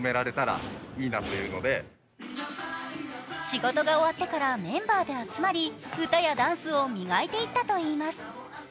仕事が終わってからメンバーで集まり歌やダンスを磨いていったといいます。